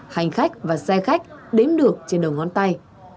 hành khách và xe khách đếm được trên đầu ngón tay